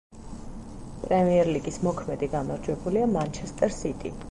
პრემიერლიგის მოქმედი გამარჯვებულია „მანჩესტერ სიტი“.